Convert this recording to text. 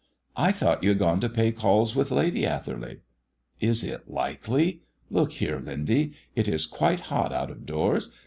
"I thought you had gone to pay calls with Lady Atherley?" "Is it likely? Look here, Lindy, it is quite hot out of doors.